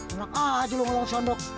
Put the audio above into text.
enak aja nyalong sendok